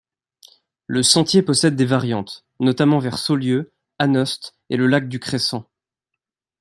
Le sentier possède des variantes, notamment vers Saulieu, Anost et le lac du Crescent.